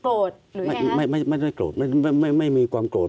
โกรธหรือไงครับไม่ไม่ไม่โกรธไม่ไม่ไม่มีความโกรธ